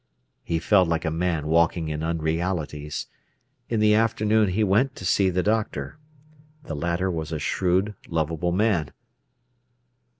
He felt like a man walking in unrealities. In the afternoon he went to see the doctor. The latter was a shrewd, lovable man.